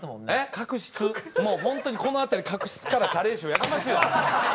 もうホントにこの辺り角質から加齢臭やかましいわ！